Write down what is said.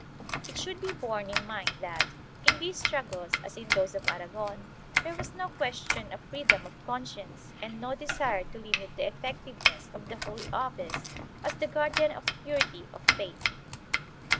It should be borne in mind that, in these struggles as in those of Aragon, there was no question of freedom of conscience and no desire to limit the effectiveness of the Holy Office as the guardian of purity of faith.